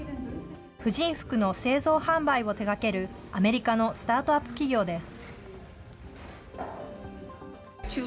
婦人服の製造・販売を手がけるアメリカのスタートアップ企業です。